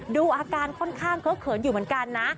ดูอาการค่อนข้างเคอะเขินอยู่เหมือนกันนะ